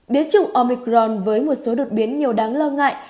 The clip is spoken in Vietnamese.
biến chủng omicron với một số đột biến nhiều đáng lo ngại